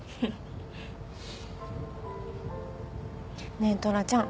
ねえトラちゃん。